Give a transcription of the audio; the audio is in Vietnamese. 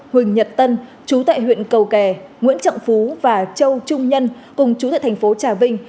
huỳnh nhật tân chú tại huyện cầu kè nguyễn trọng phú và châu trung nhân cùng chú tại thành phố trà vinh